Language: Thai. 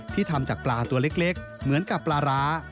ทำจากปลาตัวเล็กเหมือนกับปลาร้า